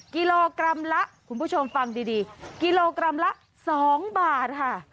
กิโลกรัมละคุณผู้ชมฟังดีกิโลกรัมละ๒บาทค่ะ